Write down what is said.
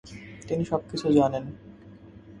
তিনি সবকিছু জানেন।